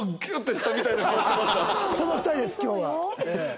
その２人です今日は。そうよ。